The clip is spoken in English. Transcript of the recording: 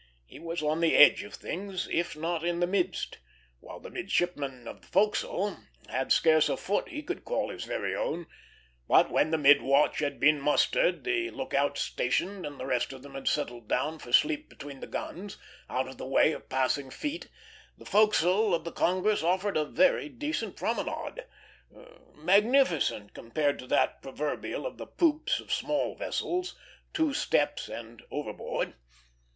He was on the edge of things, if not in the midst; while the midshipman of the forecastle had scarce a foot he could call his very own. But when the mid watch had been mustered, the lookouts stationed, and the rest of them had settled themselves down for sleep between the guns, out of the way of passing feet, the forecastle of the Congress offered a very decent promenade, magnificent compared to that proverbial of the poops of small vessels "two steps and overboard."